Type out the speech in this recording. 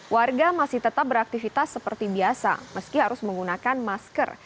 warga masih tetap beraktivitas seperti biasa meski harus menggunakan masker